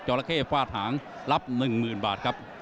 ระเข้ฟาดหางรับ๑๐๐๐บาทครับ